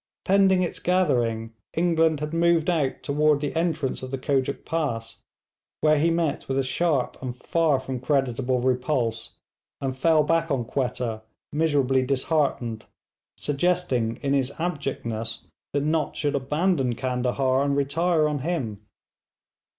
Pending its gathering England had moved out toward the entrance of the Kojuk Pass, where he met with a sharp and far from creditable repulse, and fell back on Quetta miserably disheartened, suggesting in his abjectness that Nott should abandon Candahar and retire on him.